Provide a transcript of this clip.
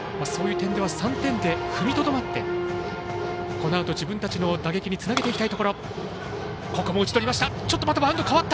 そういう点では３点で踏みとどまってこのあと自分たちの打撃につなげていきたいところ。